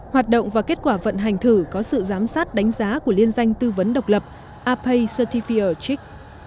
hoạt động và kết quả vận hành thử có sự giám sát đánh giá của liên danh tư vấn độc lập apei certifier chic